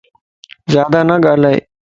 زيادا نه ڳالھائي